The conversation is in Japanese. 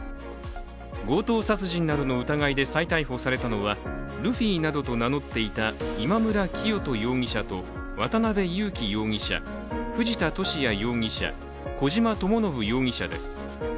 強盗殺人などの疑いで再逮捕されたのはルフィなどと名乗っていた今村磨人容疑者と渡辺優樹容疑者、藤田聖也容疑者小島智信容疑者です。